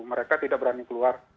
mereka tidak berani keluar